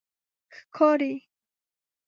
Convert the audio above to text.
ښکاری